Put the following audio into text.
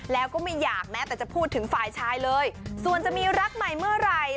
แล้วก็ไม่อยากแม้แต่จะพูดถึงฝ่ายชายเลยส่วนจะมีรักใหม่เมื่อไหร่